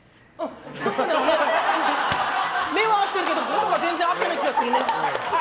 目は合ってるけど心は全然合ってない気がする！